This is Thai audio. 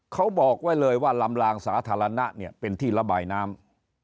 เขาบอกไว้เลยว่าลำลางสาธารณะเนี่ยเป็นที่ระบายน้ำ